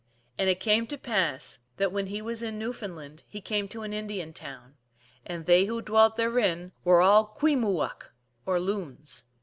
And it came to pass that when he was in New foundland he came to an Indian town, and they whc dwelt therein were all Kwee moo uk, or Loons.